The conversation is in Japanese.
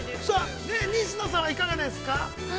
さあ、西野さんはいかがですか。